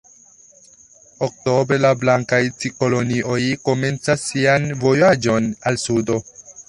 Oktobre la blankaj cikonioj komencas sian vojaĝon al sudo.